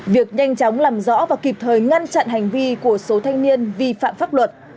việc nhanh chóng làm rõ và kịp thời ngăn chặn hành vi của số thanh niên vi phạm pháp luật